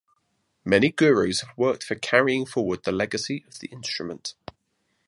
Many Gurus have worked for carrying forward the legacy of the instrument.